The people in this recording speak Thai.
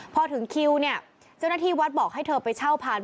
พอถึงคิวเนี่ยเจ้าหน้าที่วัดบอกให้เธอไปเช่าพาน